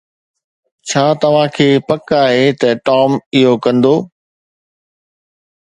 ڇا توهان کي پڪ آهي ته ٽام اهو ڪندو؟